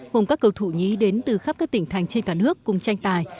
gồm các cầu thủ nhí đến từ khắp các tỉnh thành trên cả nước cùng tranh tài